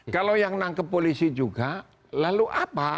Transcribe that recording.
kalau yang nangkep polisi juga lalu apa